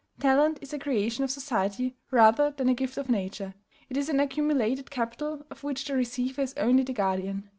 Talent is a creation of society rather than a gift of Nature; it is an accumulated capital, of which the receiver is only the guardian.